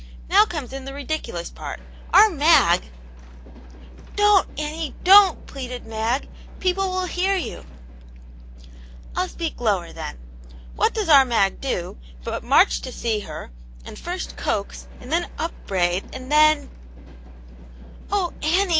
Now comes in the ridiculous part. Our Mag " "Don*t, Annie, don't/' pleaded Mag. "People will hear you !"" rU speak lower, then. What does our Mag do, but march to see her, and first coax, and then upbraid, and then "" Oh, Annie!